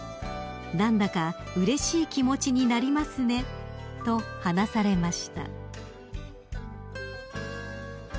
「何だかうれしい気持ちになりますね」と話されました］